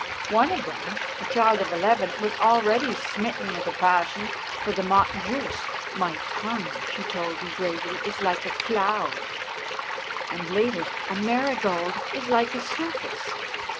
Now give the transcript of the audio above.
One of them, a child of eleven, was already smitten with a passion for the mot juste. " My tongue," she told me gravely, " is like a cloud "; and, later, "a marigold is like a circus."